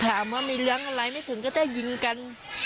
ถามว่ามีเรื่องอะไรไม่ถึงก็จะยิงกัน